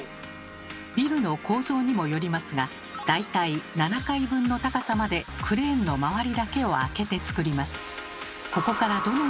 ビルの構造にもよりますが大体７階分の高さまでクレーンの周りだけを空けてつくります。